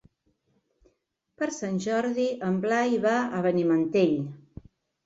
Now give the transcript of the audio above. Per Sant Jordi en Blai va a Benimantell.